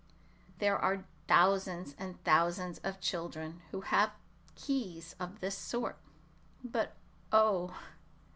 There are thousands and thousands of children who have keys of this sort; but, oh!